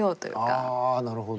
あなるほど。